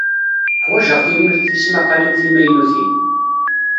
Ḥwajeɣ tismaqqalin timaynutin.